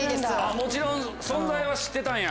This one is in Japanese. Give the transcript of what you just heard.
もちろん存在は知ってたんや？